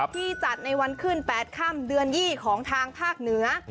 ที่จัดในวันขึ้น๘ค่ำเดือน๒ของทางภาคเหนือ